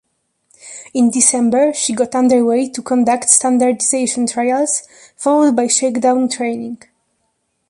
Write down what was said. In December, she got underway to conduct standardization trials, followed by shakedown training.